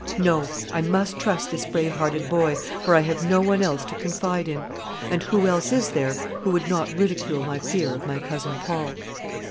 No! I must trust this brave hearted boy, for I have no one else to confide in; and who else is there who would not ridicule my fear of my cousin Paul?"